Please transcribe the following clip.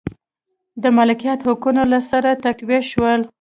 د مالکیت حقوق له سره تقویه شول.